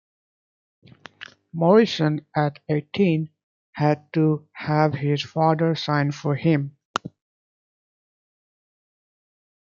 Morrison, at eighteen, had to have his father sign for him.